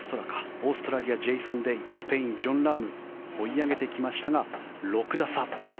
オーストラリアジェイソン・デイスペイン、ジョン・ラーム追い上げてきましたが６打差。